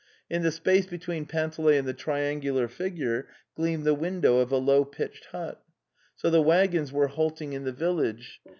In the space between Panteley and the triangular figure, gleamed the window of a low pitched hut. So the waggons were halting in the village.